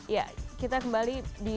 ya kita kembali di